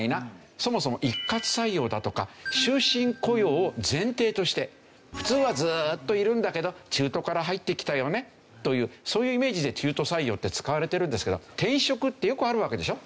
そもそも一括採用だとか終身雇用を前提として普通はずっといるんだけど中途から入ってきたよねというそういうイメージで中途採用って使われてるんですけど転職ってよくあるわけでしょ？